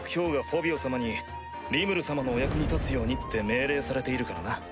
フォビオ様にリムル様のお役に立つようにって命令されているからな。